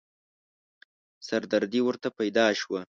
سردردې ورته پيدا شوه.